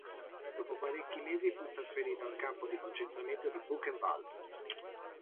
Dopo parecchi mesi fu trasferito al Campo di concentramento di Buchenwald.